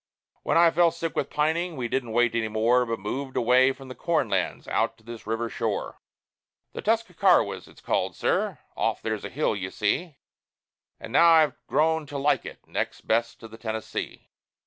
When I fell sick with pining, we didn't wait any more, But moved away from the corn lands, out to this river shore The Tuscarawas it's called, sir off there's a hill, you see And now I've grown to like it next best to the Tennessee.